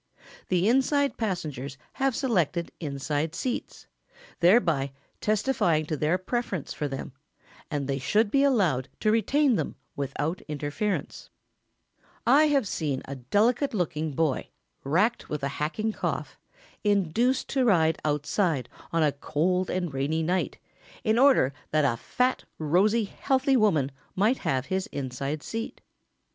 The inside passengers have selected inside seats, thereby testifying to their preference for them, and they should be allowed to retain them without interference. [Sidenote: Women offenders.] I have seen a delicate looking boy, racked with a hacking cough, induced to ride outside on a cold and rainy night in order that a fat, rosy, healthy woman might have his inside seat.